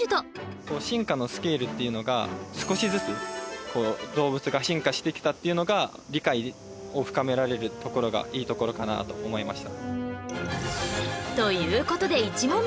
進化のスケールっていうのが少しずつこう動物が進化してきたっていうのが理解を深められるところがいいところかなと思いました。